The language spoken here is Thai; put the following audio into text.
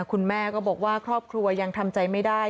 คุณแม่ก็บอกว่าครอบครัวยังทำใจไม่ได้